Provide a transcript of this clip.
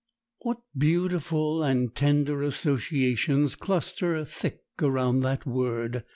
What beautiful and tender associations cluster thick around that word!